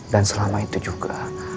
dan selama itu juga